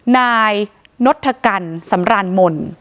นายนทกรรมรรณมล์